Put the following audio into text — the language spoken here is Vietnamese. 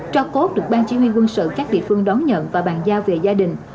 trò cốt được ban chỉ huy quân sự các địa phương đón nhận và bàn giao về gia đình